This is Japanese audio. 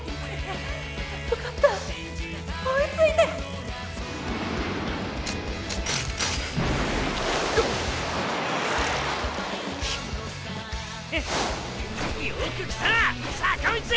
よかった追いついてよく来た坂道ぃ！